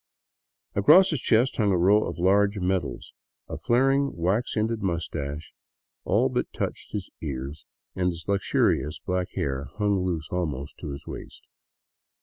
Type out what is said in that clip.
Across his chest hung a row of large ' medals ; a flaring, wax ended mustache all but touched his ears, and his luxurious black hair hung loose almost to his waist.